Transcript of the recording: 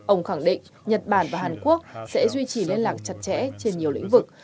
ông khẳng định nhật bản và hàn quốc sẽ duy trì liên lạc chặt chẽ trên nhiều lĩnh vực